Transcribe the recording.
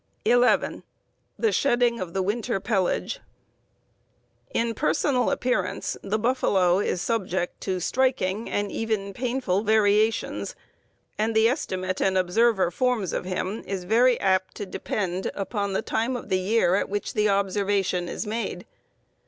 11. The shedding of the winter pelage. In personal appearance the buffalo is subject to striking, and even painful, variations, and the estimate an observer forms of him is very apt to depend upon the time of the year at which the observation is made.